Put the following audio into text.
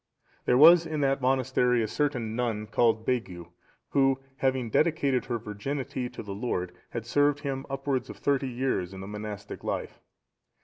(706) There was in that monastery, a certain nun called Begu,(707) who, having dedicated her virginity to the Lord, had served Him upwards of thirty years in the monastic life.